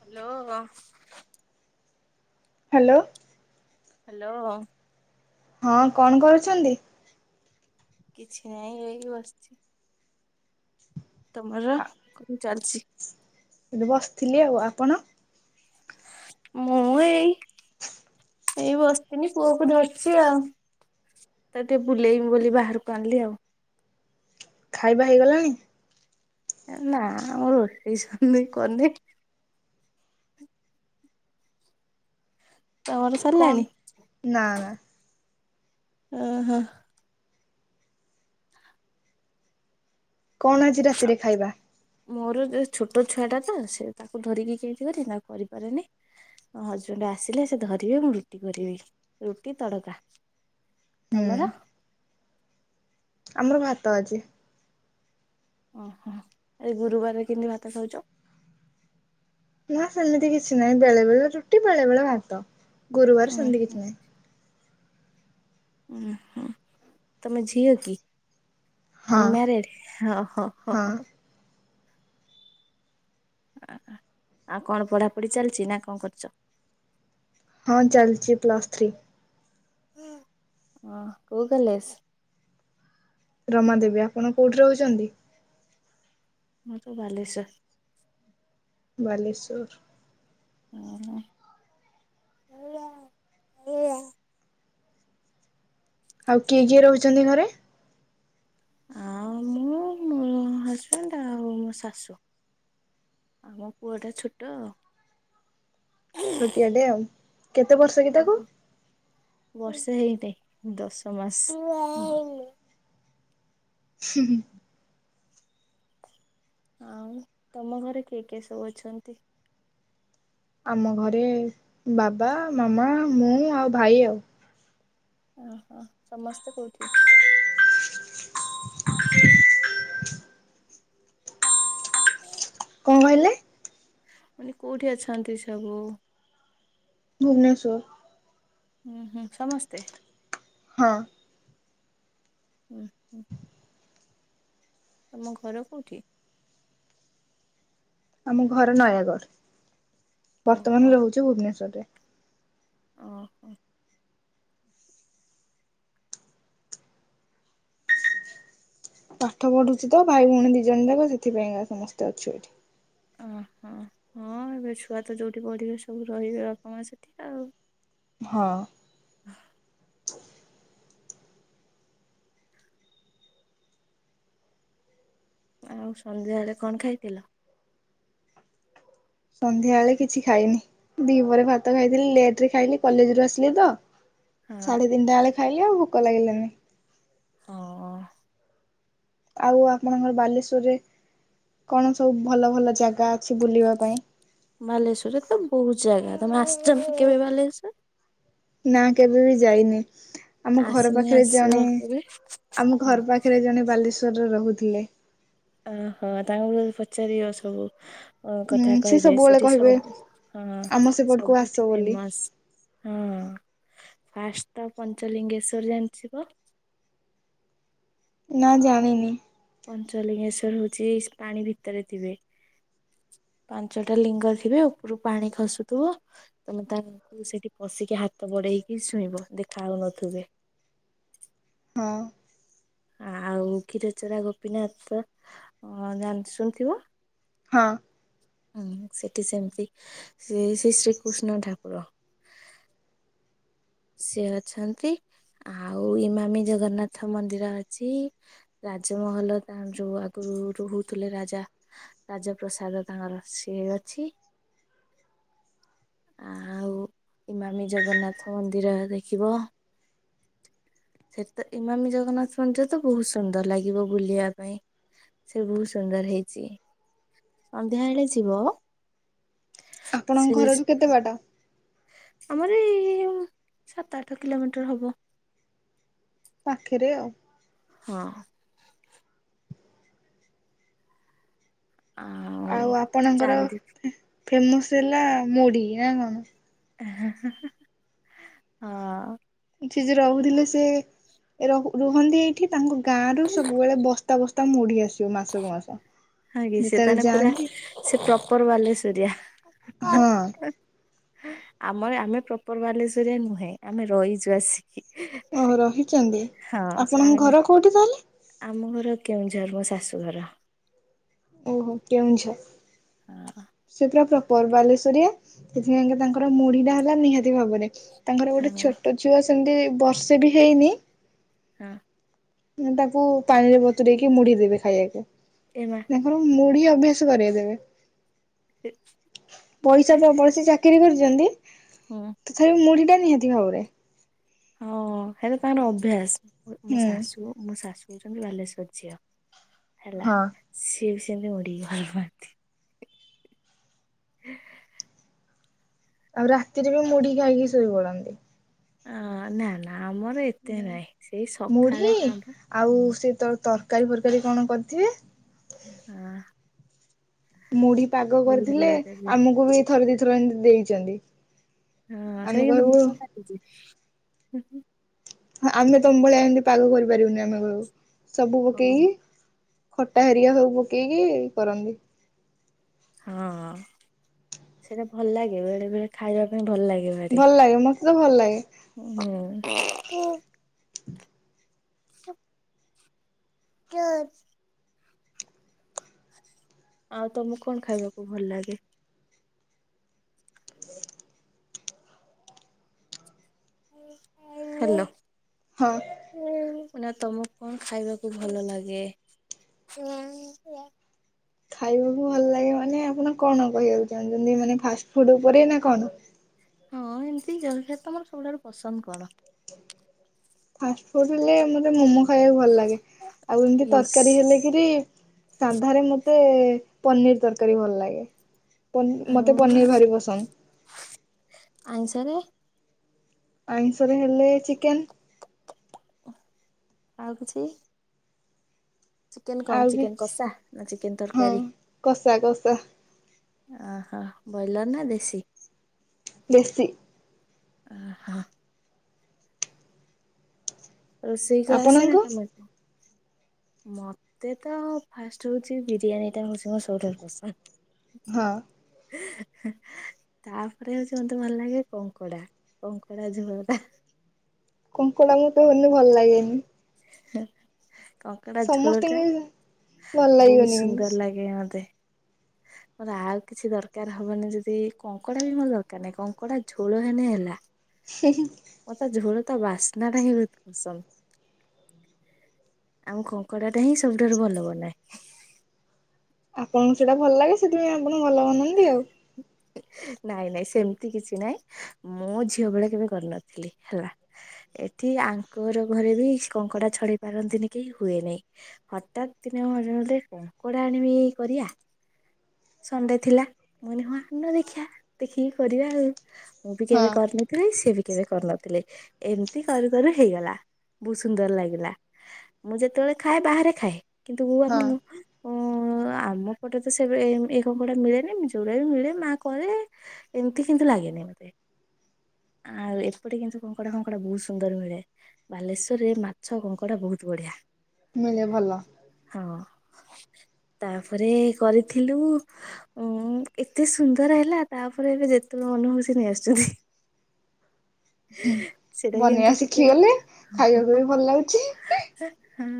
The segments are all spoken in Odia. ହାଲୋ। ହାଲୋ। ହାଲୋ। ହଁ କଣ କରୁଛନ୍ତି? କିଛି ନାହିଁ ଏଇ ବସିଚି। ତମର କଁ ଚାଲିଚି? ଏବେ ବସିଥିଲି ଆଉ ଆପଣ? ମୁଁ ଏଇ ଏଇ ବସତିନି ପୁଅକୁ ଧରଚି ଆ ତାକୁ ଟିକେ ବୁଲେଇମି ବୋଲି ବାହାରକୁ ଆଣିଲି ଆଉ। ଖାଇବା ହେଇଗଲାଣି? ନା-ଆ ମ ରୁଟି ସନି କନି। ତମର କଣ ସଲାଣି ନା ନା ଅ, ହଁ। କଣ ଆଜି ରାତିରେ ଖାଇବା? ମୋର ଯେ ଛୋଟ ଛୁଆ ଟା ତ, ସେ ତାକୁ ଧରିକି କେତିକରି, କରିପାରେନି। ହଜବେଣ୍ଡ ଆସିଲେ, ସେ ଧରିବେ। ମୁଁ ରୁଟି କରିବି। ରୁଟି, ତଡକା। ହୁଁ ତମର? ଆମର ଭାତ ଆଜି। ଓହୋ! ଏ ଗୁରୁବାରରେ କିଁତି ଭାତ ଖାଉଛ? ନା ସେମିତି କିଛି ନାହିଁ। ବେଳେ ବେଳେ ରୁଟି, ବେଳେ ବେଳେ ଭାତ। ଉଁ ଗୁରୁବାର ସେମିତି ହୁଁ କିଛି ନାହିଁ। ଉ ହୁଁ, ତମେ ଝିଅ କି? ହଁ ଅନ୍ ମ୍ୟାରେଡ୍ ହ ହ ହଁ ହ। ଆ-ଆ-ଆଉ କଣ ପଢ଼ାପଢ଼ି ଚାଲିଛି ନା କଣ କରୁଚ? ହଁ, ଚାଲିଚି ପ୍ଲସ୍ ଥ୍ରୀ। ହଁ, କଉ କଲେସ୍? ରମା ଦେବୀ। ଆପଣ କୋଉଠି ରହୁଛନ୍ତି? ମୁଁ ତ ବାଲେଶ୍ୱର। ବାଲେଶ୍ଵର। ଉଁ ହୁଁ। ଆଉ କିଏ କିଏ ରହୁଛନ୍ତି ଘରେ? ଆଉ ମୁଁ [unintelligible] ମୋ ହଜ୍ ବେଣ୍ଡ ଆଉ, ମ ଶାଶୁ ଆଉ ମୋ ପୁଅ ଟା ଛୋଟ-ଅ। ଛୋଟିଆଟେ ଆଉ। କେତେ ବର୍ଷ କି ତାକୁ? ଆଉ। ବର୍ଷେ ହେଇନି। ଦଶ ମାସ। ହୁଁ, ହୁଁ। ଆଉ ତମ ଘରେ କିଏ କିଏ ସବୁ ଅଛନ୍ତି? ଆମ ଘରେ ବାବା, ମାମା, ମୁଁ, ଆଉ ଭାଇ ଆଉ। ଓହୋ! ସମସ୍ତେ କଉଠି? ହଁ କଁ କହିଲେ? ମାନେ, କୋଉଠି ଅଛନ୍ତି ସବୁ? ଭୁବନେଶ୍ୱର। ଉଁ, ହୁଁ ସମସ୍ତେ? ହଁ। ଉଁ ହୁଁ। ତମ ଘର କୋଉଠି? ଆମ ଘର ନୟାଗଡ଼। ଓହୋ ବର୍ତ୍ତମାନ ରହୁଛୁ ଭୁବନେଶ୍ୱରରେ। ଅଁ ହୋ। ପାଠ ପଢୁଛି ତ, ଭାଇ ଭଉଣୀ ଦି ଜଣ ଯାକ। ସେଥିପାଇଁକା ସମସ୍ତେ ଅଛୁ ଏଠି। ଅ ହଁ, ହଁ ଏବେ ଛୁଆ ତ ଯୋଉଠି ପଢ଼ିବେ, ସବୁ ରହିବେ ବାପା, ମାଁ ସେଠି ଆଉ। ହଁ। ହୁଁ ଆଉ, ସନ୍ଧ୍ୟାଏଳେ କଣ ଖାଇଥିଲ? ସନ୍ଧ୍ୟା ଏଳେ କିଛି ଖାଇନି। ଦିପହରେ ଭାତ ଖାଇଥିଲି। ଲେଟରେ ଖାଇଲି, କଲେଜ ରୁ ଆସିଲି ତ! ହଁ ସାଢେ ତିନିଟା ଏଳେ ଖାଇଲି ଆଉ, ଭୋକ ଲାଗିଲାନି। ଅଁ। ଆଉ ଆପଣଙ୍କର ବାଲେଶ୍ଵରରେ, କଣ ସବୁ ଭଲ ଭଲ ଜାଗା ଅଛି ବୁଲିବା ପାଇଁ? ବାଲେଶ୍ଵରରେ ତ ବହୁତ୍ ଜାଗା। ତମେ ଆସ୍ଚ ନା କେବେ ବାଲେଶ୍ଵର? ନା କେବେ ବି ଯାଇନି ଆମ ଘର ଆସିନି ପାଖରେ ଆସିବ ଜଣେ କେବେ ଆମ ହୁଁ ଘର ପା ଖରେ ଜଣେ ବାଲେଶ୍ୱରରେ ରହୁଥିଲେ। ଓହୋ ତାଙ୍କର ପଚାରିବ ସବୁ। ଅ କଥା ହୁଁ ସେ କହିବେ ସବୁବେଳେ ସେଠି କହିବେ ସବୁ ହଁ ଆମ ସେପଟକୁ ଆସ ସବୁଠି ବୋଲି। ଫେମସ ହଁ ଫାଷ୍ଟ ତ ପଞ୍ଚଲିଙ୍ଗେଶ୍ଵର ଜାଣିିଥିବ। ନା ଜାଣିିନି। ପଞ୍ଚଲିଙ୍ଗେଶ୍ଵର ହଉଛି ପାଣି ଭିତରେ ଥିବେ। ପାଞ୍ଚଟା ଲିଙ୍ଗ ଥିବ ଉପରୁ ପାଣି ଖସୁଥିବ। ତମେ ତାଙ୍କୁ ସେଠି ପଶିକି ହାତ ବଢେଇକି ଛୁଇଁବ ଦେଖା ହଉନଥିବେ। ହଁ। ଆଉ କ୍ଷୀରଚରା ଗୋପୀନାଥ ଜାଣି ଶୁଣିଥିବ। ହଁ। ହଁ ସେଠି ସେମିତି ସେ ସେ ଶ୍ରୀକୃଷ୍ଣ ଠାକୁର। ସିଏ ଅଛନ୍ତି ଆଉ ଇମାମି ଜଗନ୍ନାଥ ମନ୍ଦିର ଅଛି। ରାଜମହଲ ତା ଯୋଉ ଆଗରୁ ରହୁଥିଲେ ରାଜା ରାଜପ୍ରସାଦ ତାଙ୍କର ସିଏ ଅଛି। ଆ ଆଉ ଇମାମୀ ଜଗନ୍ନାଥ ମନ୍ଦିର ଦେଖିବ। ସେଠ ତ ଇମାମି ଜଗନ୍ନାଥ ମନ୍ଦିର ତ ବହୁତ ସୁନ୍ଦର ଲାଗିବ ବୁଲିବା ପାଇଁ ସେ ବହୁତ ସୁନ୍ଦର ହେଇଛି ସନ୍ଧ୍ୟା ବଳେ ଯିବ ସେ ଆପଣଙ୍କ ଘର ରୁ କେତେ ବାଟ? ଆମର ଏଇ ସାତ ଆଠ କିଲୋମିଟର ହବ। ପାଖରେ ଆଉ। ହଁ। ଆଉ ଆପଣଙ୍କର ଚାନ୍ଦି ଫେମସ ହେଲା ମୁଢ଼ି ନା କଣ? ହଁ। [unintelligible] ରହୁଥିଲେ ସେ ର ରୁହନ୍ତି ଏଇଠି ତାଙ୍କ ଗାଁରୁ ସବୁବେଳେ ବସ୍ତା ବସ୍ତା ମୁଢ଼ି ଆସିବ ମାସକୁ ମାସ। ଆଚ୍ଛା। ହଁ କି ସେତା ହେଲେ ପୁରା ସେ ପ୍ରପର ବାଲେଶ୍ୱରିଆ। ହଁ ଆମର ଆମେ ପ୍ରପର ବାଲେଶ୍ଵରୀଆ ନୁହେଁ ଆମେ ରହିଛୁ ଆସି ଓ ହୋ ରହିଛନ୍ତି ଆପଣଙ୍କ ହଁ ଘର କୋଉଠି ତାହେଲେ? ଆମ ଘର କେଉଁଝର ମୋ ଶାଶୁ ଘର। ଓହୋ କେଉଁଝର। ହଁ। ସେ ପୁରା ପ୍ରପର ବାଲେଶ୍ଵରିଆ ସେଥିପାଇଁକା ତାଙ୍କର ମୁଢ଼ିଟା ହେଲା ନିହାତି ଭାବରେ। ତାଙ୍କର ଗୋଟେ ହଁ ଛୋଟ ଝୁଅ ସେମିତି ବର୍ଷେ ବି ହେଇନି। ହଁ। ତାକୁ ପାଣିରେ ବତୁରେଇକି ମୁଢ଼ି ଦେବେ ଖାଇଆକୁ। ଏ ମା। ତାଙ୍କର ମୁଢ଼ି ଅଭ୍ୟାସ କରେଇ ଦେବେ। [unintelligible] ପଇସା ତ ପ୍ରବଳ ସେ ଚାକିରୀ କରିଚନ୍ତି। ହଁ। ତଥାପି ମୁଢ଼ିଟା ନିହାତି ଭାବରେ। ଓ ହୋ ହେଲେ ତାଙ୍କର ଅଭ୍ୟାସ ମୋ ହୁଁ ଶାଶୁ ମୋ ଶାଶୁ ହେଉଛନ୍ତି ବାଲେଶ୍ଵର ଝିଅ ହେଲା ହଁ ସିଏ ବି ସେମିତି ମୁଢ଼ିକି ଭଲ ପାଆନ୍ତି। ଆଉ ରାତିରେ ବି ମୁଢ଼ି ଖାଇକି ଶୋଇ ପଡ଼ନ୍ତି। ଅ ନା ନା ଆମର ଏ ମୁ ମୁଢି ଆଉ ହୁଁ ସିଏ ତର୍ ତରକାରୀ ଫରକାରୀ କଣ କରିଥିବେ ହଁ। ମୁଢି ପାଗ ଗୋଳିଆ କରିଥିଲେ ଗୋଳିଆ ଦେବେ। ଆମକୁ ବି ଥରେ ଦିଥର ଏନ୍ତି ଦେଇଚନ୍ତି। ହଁ ସେଇ [inaudible] ଲାଗିଚି [inaudible] ହଁ ଆମେ ତମ ଭଳିଆ ଏନ୍ତି ପାଗ କରିପାରିବୁନି ଆମେ କହିବୁ ସବୁ ହଁ ପକେଇକି ଖଟା ହେରିଆ ସବୁ ପକେଇକି କରନ୍ତି। ହଁ ସେଇଟା ଭଲ ଲାଗେ ବେଳେ ବେଳେ ଖାଇବା ପାଇଁ ଭଲ ଲାଗେ। ଭାରି ଭଲ ଲାଗେ ମତେ ତ ଭଲ ଲାଗେ। ହୁଁ ହୁଁ। [unintelligible] ଆଉ ତମୁକୁ କଣ ଖାଇବାକୁ ଭଲ ଲାଗେ? ହ୍ୟାଲୋ। ହଁ। ମାନେ ତମୁକୁ କଣ ଖାଇବାକୁ ଭଲ ଲାଗେ? ଖାଇବାକୁ ଭଲ ଲାଗେ ମାନେ ଆପଣ କଣ କହିବାକୁ ଚାହୁଁଛନ୍ତି ମାନେ ଫାଷ୍ଟ ଫୁଡ୍ ଉପରେ ନା କଣ। ହଁ ଏନ୍ତି ଜଳଖିଆରେ ତମର ସବୁଠାରୁ ପସନ୍ଦ କଣ। ଫାଷ୍ଟ ଫୁଡ୍ ହେଲେ ମତେ ମୋମୋ ଖାଇବାକୁ ଭଲ ଲାଗେ ଆଉ ଇମିତି ଇସ୍ ତରକାରୀ ହେଲେ କିରି ସାଧାରେ ମତେ ପନିର୍ ତରକାରୀ ଭଲ ଲାଗେ। ତମ୍ ଆଉ ମତେ ପନିର୍ ଭାରି ପସନ୍ଦ। ଆଇଁଷରେ ଆଇଁଷରେ ହେଲେ ଚିକେନ୍। ଓଃ ଆଉ କିଛି। ଚିକେନ୍ ଆଉ କଣ ଚିକେନ୍ କିଛି କଷା ନା ଚିକେନ୍ ହଁ ତରକାରୀ। କଷା କଷା। ଓହୋ ବଏଲର୍ ନା ଦେଶୀ। ଦେଶୀ। ଓହୋ। ରୋଷେଇ କଁ ଆସେ ନା ଆପଣଙ୍କୁ? ତମକୁ? ମତେ ତ ଫାଷ୍ଟ୍ ହଉଛି ବିରିୟାନୀଟା [unintelligible] ତୋର ହଁ ପସନ୍ଦ। ହେଁ ତାପରେ ହଉଛି ମତେ ଭଲ ଲାଗେ କଙ୍କଡା କଙ୍କଡା ଝୋଳଟା। କଙ୍କଡା ମତେ ହେନ୍ଦି ଭଲ ଲାଗେନି। ହେ କଙ୍କଡା ଝୋଳଟା ସମସ୍ତଙ୍କୁ ଭଲ ବୋହୁତ ଲାଗିବନି କିନ୍ତୁ ସୁନ୍ଦର ଲାଗେ ମତେ। ମୋର ଆଉ କିଛି ଦରକାର ହବନି ଯଦି କଙ୍କଡା ବି ମୋର ଦରକାର ନାହିଁ କଙ୍କଡା ଝୋଳ ହେନେ ହେଲା। ହୁଁ ହୁଁ। ମତେ ଝୋଳ ତା ବାସ୍ନାଟା ହିଁ ବୋହୁତ ପସନ୍ଦ। ଆଉ ମୁଁ କଙ୍କଡାଟା ହିଁ ସବୁଠାରୁ ଭଲ ବନାଏ। ଆପଣଙ୍କୁ ସେଇଟା ଭଲ ଲାଗେ ସେଥିପାଇଁ ଆପଣ ଭଲ ବନାନ୍ତି ଆଉ। ନାଇଁ ନାଇଁ ସେମତି କିଛି ନାଇଁ। ମୁଁ ଝିଅ ବେଳେ କେବେ କରିନଥିଲି ହେଲା। ଏଠି ଆଙ୍କର ଘରେ ବି କଙ୍କଡା ଛଡେଇ ପାରନ୍ତିନି କେହି ହୁଏନି। ହଠାତ୍ ଦିନେ ମୋ [unintelligible] କଙ୍କଡା ଆଣିମି କରିଆ ସଣ୍ଡେ ଥିଲା ମୁଁ କହିନି ଆଣୁନ ଦେଖିଆ ଦେଖିକି କରିବା ଆଉ ମୁଁ ବି ହଁ କେବେ କରି ନ ଥିଲି ସିଏ ବି କେବେ କରିନଥିଲେ ଏମତି କରୁ କରୁ ହେଇଗଲା ବୋହୁତ ସୁନ୍ଦର ଲାଗିଲା। ମୁଁ ଯେତେବେଳେ ଖାଏ ବାହାରେ ଖାଏ। କିନ୍ତୁ ହଁ ଆମ୍ ଉଁ ଆମ ପଟେ ତ ସେବେ ଏନ୍ତି ହୁ କଙ୍କଡା ମିଳେନି ଯୋଉରା ବି ମିଳେ ମା କରେ ଏମତି କିନ୍ତୁ ଲାଗେନି ମତେ। ଆଉ ଏପଟେ କିନ୍ତୁ କଙ୍କଡା ଫଙ୍କଡା ବୋହୁତ ସୁନ୍ଦର ମିଳେ। ବାଲେଶ୍ୱରରେ ମାଛ କଙ୍କଡା ବୋହୁତ ବଢିଆ। ମିଳେ ଭଲ। ହଁ ତାପରେ କରିଥିଲୁ। ଉଁ ଏତେ ସୁନ୍ଦର ହେଲା ତାପରେ ଏବେ ଯେତେବେଳେ ମନହଉଚି ନେଇ ଆସୁଚନ୍ତି। [inaudible] ସେଟାବି ବନେଇବା ଏମିତି ଟିକେ ଶିଖିଗଲେ ହ ଖାଇବାକୁ ହ ବି ହ ଭଲ ଲାଗୁଛି ହଁ।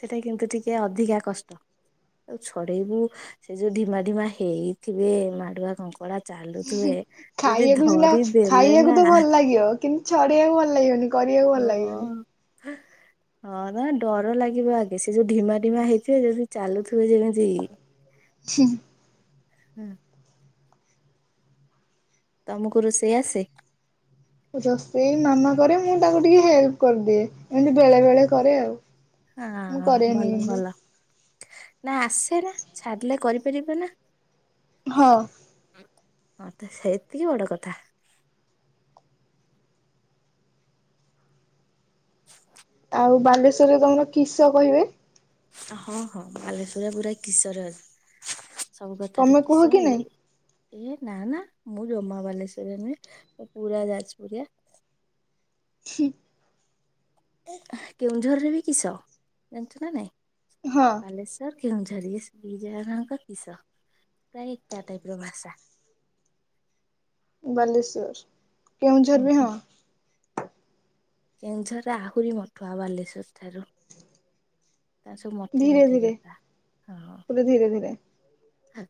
ସେଇଟା କିନ୍ତୁ ଟିକେ ଅଧିକା କଷ୍ଟ ଆଉ ଛଡେଇବୁ ସେଯୋଉ ଢିମା ଡିମା ହେଇଥିବେ ମାଡ଼ୁଆ କଙ୍କଡ଼ା ହୁଁ ଖାଇବାକୁ ସିନା ଦେଲେ ନା ଖାଇବାକୁତ ଭଲ ଲାଗିବ କିନ୍ତୁ ଛଡ଼େଇବାକୁ ଭଲ ଲାଗିବନି। କରିବାକୁ ହଁ ଭଲ ଲାଗିବନି। ହଁ ଦାଡର ଲାଗିବ ଆଗେ ସେଯୋଉ ଢିମା ଢିମା ହେଇଥିବେ ଯେଦିଚାଲୁଥିବେ ଯେମିତି ହୁଁ। ହୁଁ। ତମକୁ ରୋଷେଇ ଆସେ ରୋଷେଇ ମାମା କରେ ମୁତାଙ୍କୁ ଟିକେ ହେଲ୍ପ କରିଦିଏ ଏମିତି ବେଳେ ବେଳେ କରେ ଆଉ। ମୁଁ ହଁ କରେନି ଭଲ କିନ୍ତୁ ଭଲ ନାଆସେନା ଛାଡ଼ିଲେ କରିପାରିବନା? ହଁ। ହଁ ମତେ ସେତିକି ବଡ଼ କଥା। ଆଉ ବାଲେଶ୍ୱରରେ ତମର କିସ କହିବେ। ହଁ ହଁ ବାଲେଶ୍୍ୱରରେ ପୁରା କିଶୋର ସବୁ କଥାରେ ତମେ କୁହ କି କିସବେ। ଏ ନା ନା ମୁଁ ଜମା ବାଲେଶ୍ଵରରେ ନୁହେଁ ମୁପୁରା ଯାଜପୁରଆ। ହୁଁ। କେଉଁଝରରେବି କିସ ଜାଣିଚୁନା ନାଇଁ? ହଁ। ବାଲେଶ୍ୱର କେଉଁଝରିଆ ଦିଜଣଯାଙ୍କ କିଶ ପ୍ରାୟ ଏକା ଟାଇପିର ଭାଷା। ବାଲେଶ୍ଵର ହୁଁ କେଉଁଝରବି ହୁଁ। ହଁ। କେଉଁଝରରେ ଆହୁରି ମଠୁଆ ବାଲେସ୍ୱର ଠାରୁ। ତାରସବୁ ମଠେଇ ଧୀରେ ମଠେଇ ଧୀରେ କଥା ହଁ। ପୁରା ଧୀରେ ଧୀରେ। ହଁ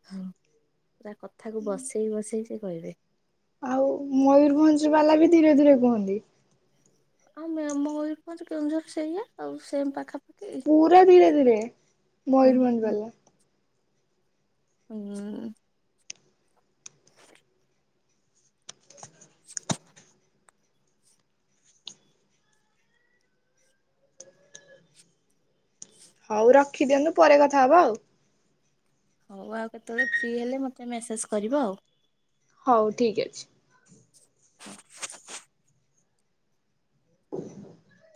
ତାକଥାକୁ ବସେଇ ବସେଇ ସେକହିବେ। ଆଉ ମୟୂରଭଞ୍ଜ ବାଲାବି ଧୀରେ ଧୀରେ କୁହନ୍ତି। ଆଉ ମେ ମୟୂରଭଞ୍ଜ କେଉଁଝର ସେଇଆ ଆଉସେମ୍ ପାଖାପାଖି। ପୁରା ଧୀରେ ଧୀରେ ହୁଁ ମୟୂରଭଞ୍ଜ ହୁଁ। ବାଲା। ହୁଁ। [inaudible] [inaudible] ହଉ ରଖିଦିଅନ୍ତୁ ପରେ କଥା ହେବ ଆଉ। ହଉ ଆଉ କେତେବେଳେ ଫ୍ରିହେଲେ ମୋତେ ମେସେଞ୍ଜ କରିବ ଆଉ। ହଉ ଠିକ୍ ଅଛି। [inaudible] [inaudible]